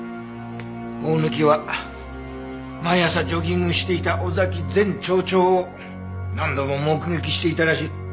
大貫は毎朝ジョギングしていた尾崎前町長を何度も目撃していたらしい。